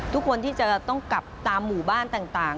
ทุกคนที่จะต้องกลับตามหมู่บ้านต่าง